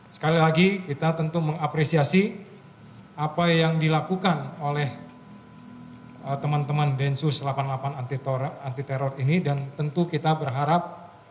sekali lagi kita tentu mengapresiasi apa yang dilakukan oleh teman teman densus delapan puluh delapan anti teror ini dan tentu kita berharap